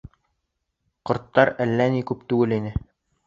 Ҡорттар әллә ни күп түгел ине.